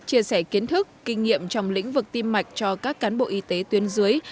chia sẻ kiến thức kinh nghiệm trong lĩnh vực tim mạch cho các cán bộ y tế tuyến dưới